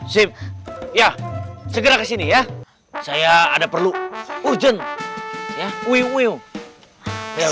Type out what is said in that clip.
zim segera ke sini ya saya ada perlu urgent iwi william